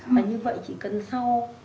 và như vậy chỉ cần sau